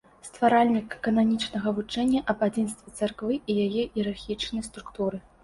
Стваральнік кананічнага вучэння аб адзінстве царквы і яе іерархічнай структуры.